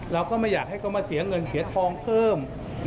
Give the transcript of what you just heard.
เราก็ไม่อยากให้เขามาเสียเงินเสียทองเพิ่ม